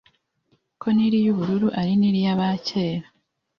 ko Nili y'Ubururu ari Nili y'abakera